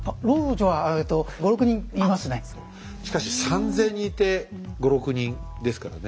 しかし３，０００人いて５６人ですからね。